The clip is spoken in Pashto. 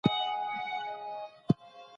مسؤلیت منل د بالغ انسان نښه ده.